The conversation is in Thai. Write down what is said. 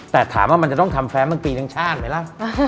แต่ถามว่ามันจะต้องทำแฟมมันปีทั้งชาติไหมล่ะ